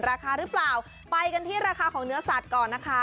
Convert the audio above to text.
ราคาหรือเปล่าไปกันที่ราคาของเนื้อสัตว์ก่อนนะคะ